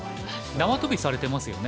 縄跳びされてますよね。